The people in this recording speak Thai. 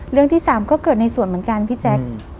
เรื่องที่สามก็เกิดในสวนเหมือนกันพี่แจ๊ค